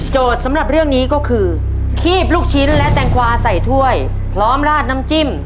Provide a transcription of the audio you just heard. สำหรับเรื่องนี้ก็คือคีบลูกชิ้นและแตงกวาใส่ถ้วยพร้อมลาดน้ำจิ้ม